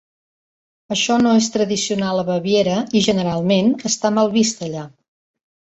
Això no és tradicional a Baviera i generalment està mal vist allà.